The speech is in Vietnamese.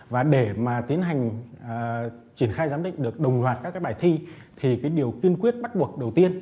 và để mà tiến hành triển khai giám định được đồng loạt các cái bài thi thì cái điều kiên quyết bắt buộc đầu tiên